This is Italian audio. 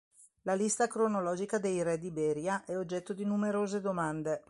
La lista cronologica dei re d'Iberia è oggetto di numerose domande.